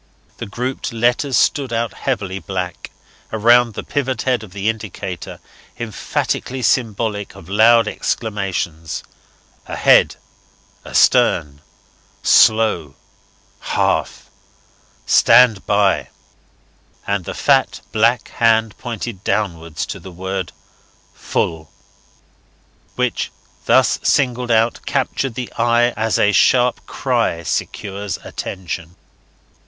The grouped letters stood out heavily black, around the pivot head of the indicator, emphatically symbolic of loud exclamations: AHEAD, ASTERN, SLOW, Half, STAND BY; and the fat black hand pointed downwards to the word FULL, which, thus singled out, captured the eye as a sharp cry secures attention.